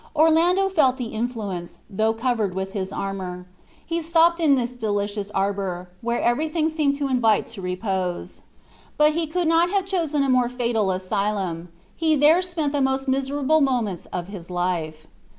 Orlando felt the influence, though covered with his armor. He stopped in this delicious arbor, where everything seemed to invite to repose. But he could not have chosen a more fatal asylum. He there spent the most miserable moments of his life.